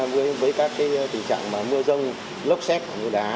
với các tình trạng mưa rông lốc xét mưa đá